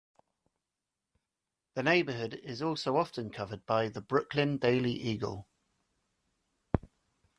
The neighborhood is also often covered by "The Brooklyn Daily Eagle".